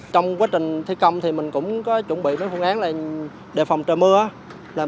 trong quá trình thi công thì mình cũng có chuẩn bị với phương án là đề phòng trời mưa